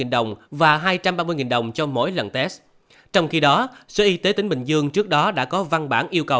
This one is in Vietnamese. đồng và hai trăm ba mươi đồng cho mỗi lần test trong khi đó sở y tế tỉnh bình dương trước đó đã có văn bản yêu cầu